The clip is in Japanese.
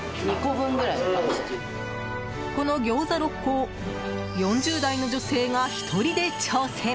このギョーザ６個を４０代の女性が１人で挑戦。